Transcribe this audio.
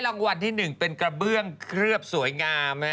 น้ำคัดที่หนึ่งกระเบื้องเคลือกสวยงามนะ